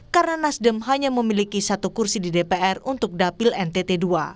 karena nasdem hanya memiliki satu kursi di dpr untuk dapil ntt dua